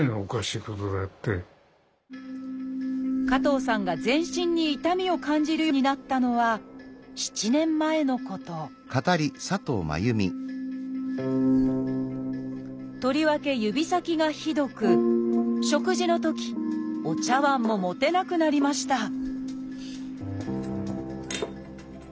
加藤さんが全身に痛みを感じるようになったのは７年前のこととりわけ指先がひどく食事のときお茶わんも持てなくなりました